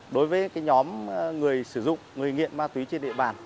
đối với nhóm người sử dụng người nghiện ma túy trên địa bàn